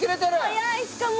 早いしかも。